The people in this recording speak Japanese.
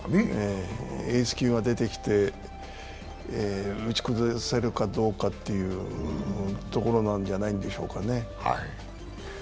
エース級が出てきて打ち崩せるかどうかというところなんじゃないでしょうかね。